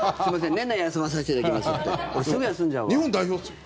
年内休まさせていただきますって日本代表ですよ。